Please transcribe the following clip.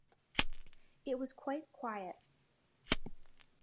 It was quite quiet.